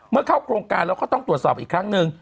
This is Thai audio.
เข้าโครงการเราก็ต้องตรวจสอบอีกครั้งหนึ่ง